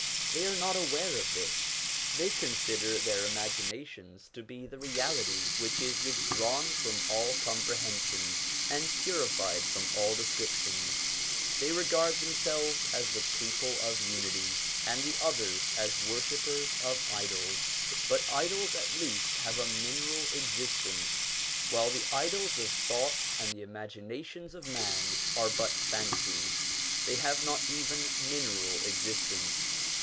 They are not aware of this ; they consider their imaginations to be the Reality which is withdrawn from all comprehen sion, and purified from all descriptions. They regard themselves as the people of Unity, and the others as worshippers of idols ; but idols at least have a mineral existence, while the idols of thoughts and the imagina tions of man are but fancies; they have not even mineral existence.